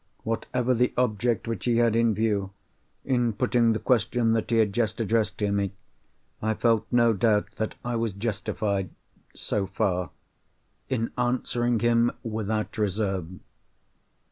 Whatever the object which he had in view, in putting the question that he had just addressed to me, I felt no doubt that I was justified—so far—in answering him without reserve.